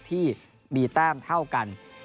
ที่มีแต้มเท่ากัน